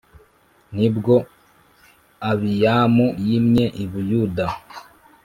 ni bwo Abiyamu yimye i Buyuda